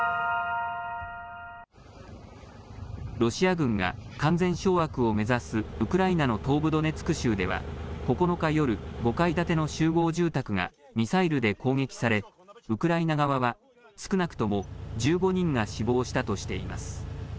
ロシア軍が完全掌握を目指すウクライナの東部ドネツク州では９日夜、５階建ての集合住宅がミサイルで攻撃されウクライナ側は少なくとも１５人が死亡したとしています。